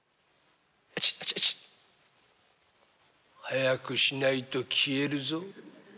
早くしないと消えるぞ？